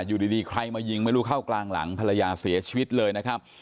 อยู่ดีใครมายิงไม่รู้เข้ากลางหลังภรรยาเสียชีวิตเลยนะครับ